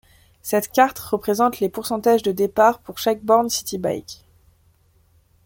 Cette carte représente les pourcentages de départs pour chaque borne citibike.